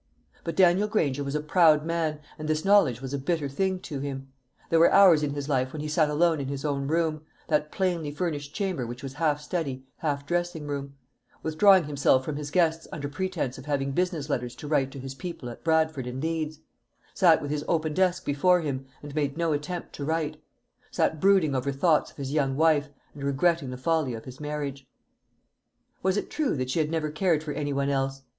But Daniel Granger was a proud man, and this knowledge was a bitter thing to him. There were hours in his life when he sat alone in his own room that plainly furnished chamber which was half study, half dressing room withdrawing himself from his guests under pretence of having business letters to write to his people at Bradford and Leeds; sat with his open desk before him, and made no attempt to write; sat brooding over thoughts of his young wife, and regretting the folly of his marriage. Was it true that she had never cared for any one else?